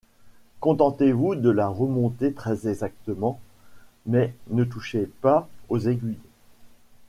Contentez-vous de la remonter très-exactement, mais ne touchez pas aux aiguilles.